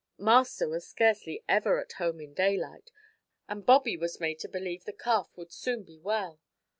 Master was scarcely ever at home in daylight, and Bobby was made to believe the calf would soon be well.